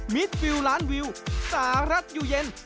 มิดฟิลล้านวิวสารัตยูเย็น